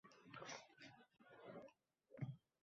Jamol harakatlanmadi